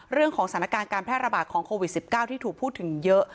สถานการณ์การแพร่ระบาดของโควิด๑๙ที่ถูกพูดถึงเยอะ